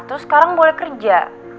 terus sekarang boleh kerja